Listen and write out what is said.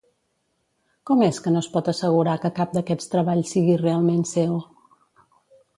Com és que no es pot assegurar que cap d'aquests treballs sigui realment seu?